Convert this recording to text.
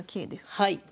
はい。